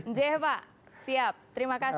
j pak siap terima kasih